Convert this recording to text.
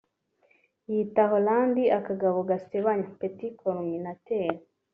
yita Hollande akagabo gasebanya (petit calomniateur)